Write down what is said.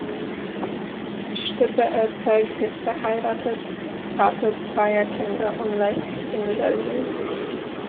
Stipe Erceg ist verheiratet, Vater zweier Kinder und lebt in Berlin.